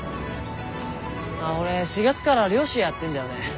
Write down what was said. ああ俺４月から漁師やってんだよね。